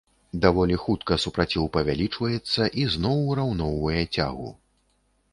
Даволі хутка супраціў павялічваецца і зноў ураўноўвае цягу.